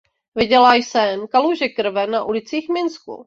Viděla jsem kaluže krve na ulicích Minsku.